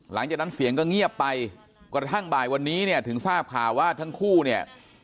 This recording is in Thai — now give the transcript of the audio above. หลังจากนั้นเสียงก็เงียบไปกระทั่งบ่ายวันนี้เนี่ยถึงทราบข่าวว่าทั้งคู่เนี่ย